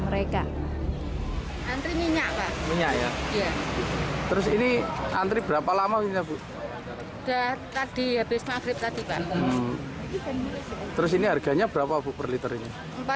mereka mencari minyak goreng yang berbeda